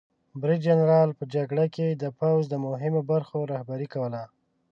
برید جنرال په جګړه کې د پوځ د مهمو برخو رهبري کوي.